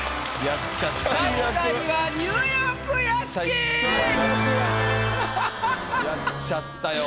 やっちゃったよ。